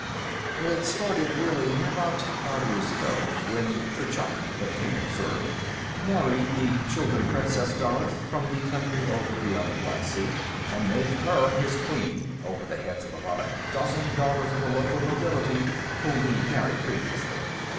"It started, really, about five years ago, when Kurchuk, the King of Zurb, married this Chuldun princess, Darith, from the country over beyond the Black Sea, and made her his queen, over the heads of about a dozen daughters of the local nobility, whom he'd married previously.